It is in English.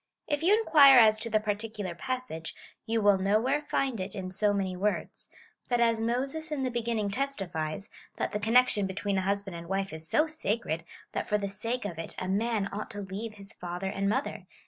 If you inquire as to the particular passage, you will nowhere find it in so many words ; but as Moses in the beginning testifies, that the con nection between a husband and wife is so sacred, that for the sake of it a man ought to leave his father and mother.